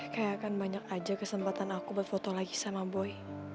kayak kan banyak aja kesempatan aku buat foto lagi sama boy